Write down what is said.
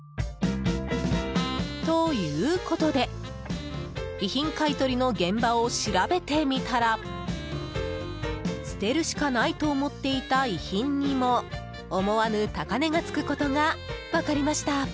ということで、遺品買い取りの現場を調べてみたら捨てるしかないと思っていた遺品にも思わぬ高値がつくことが分かりました。